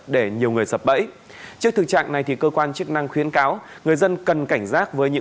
để nhiều người sập bẫy trước thực trạng này thì cơ quan chức năng khuyến cáo